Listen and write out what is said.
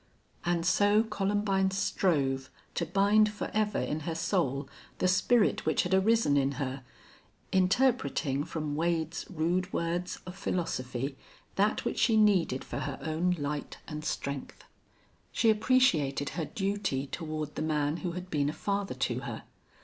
And so Columbine strove to bind forever in her soul the spirit which had arisen in her, interpreting from Wade's rude words of philosophy that which she needed for her own light and strength. She appreciated her duty toward the man who had been a father to her.